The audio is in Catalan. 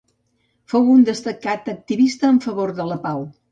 Fou un destacat activista en favor de la pau.